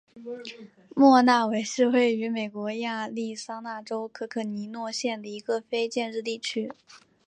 莫纳维是位于美国亚利桑那州可可尼诺县的一个非建制地区。